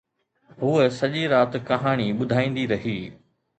هوءَ سڄي رات ڪهاڻي ٻڌائيندي رهي